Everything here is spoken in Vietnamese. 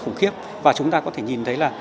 khủng khiếp và chúng ta có thể nhìn thấy là